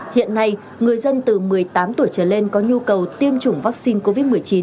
hiện nay người dân từ một mươi tám tuổi trở lên có nhu cầu tiêm chủng vaccine covid một mươi chín